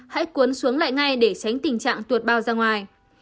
hãy cuốn xuống lại ngay để tránh tình trạng tuột bao ra ngoài